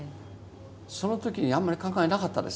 その時にあんまり感慨なかったです